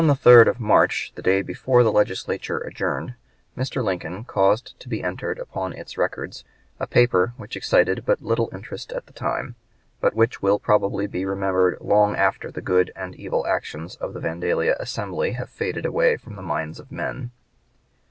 ] On the 3rd of March, the day before the Legislature adjourned, Mr. Lincoln caused to be entered upon its records a paper which excited but little interest at the time, but which will probably be remembered long after the good and evil actions of the Vandalia Assembly have faded away from the minds of men.